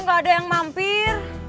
kok gak ada yang mampir